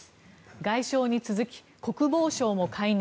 外相に続き、国防相も解任。